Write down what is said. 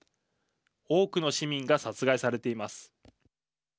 多くの市民が殺害されています。